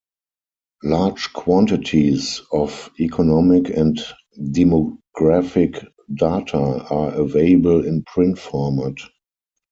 Large quantities of economic and demographic data are available in print format.